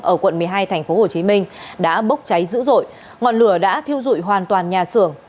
ở quận một mươi hai tp hcm đã bốc cháy dữ dội ngọn lửa đã thiêu dụi hoàn toàn nhà xưởng